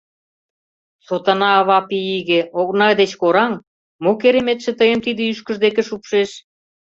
— Сотана ава пий иге, окна деч кораҥ, мо кереметше тыйым тиде ӱшкыж деке шупшеш?